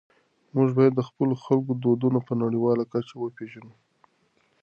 موږ باید د خپلو خلکو دودونه په نړيواله کچه وپېژنو.